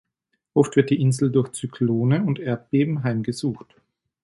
Oft wird die Insel durch Zyklone und Erdbeben heimgesucht.